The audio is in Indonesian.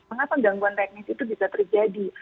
mengapa gangguan teknis itu bisa terjadi